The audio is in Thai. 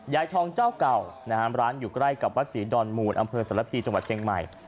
ยายทองเจ้าเก่านะฮะร้านอยู่ใกล้กับวัดศรีดอนมูลอำเภอสรพีจังหวัดเชียงใหม่